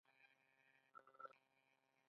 موبایل خدمات په هر ځای کې شته.